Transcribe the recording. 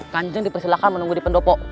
kanjeng dipersilakan menunggu di pendopo